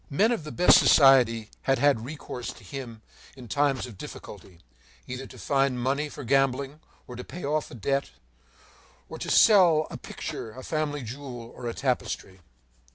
Men of the best society had had recourse to him in times of difficulty, either to find money for gambling, or to pay off a debt, or to sell a picture, a family jewel, or a tapestry.